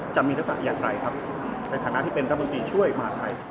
จะมีทักษะอย่างไรครับในฐานะที่เป็นรัฐมนตรีช่วยมหาทัย